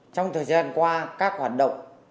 trong thời gian qua các hoạt động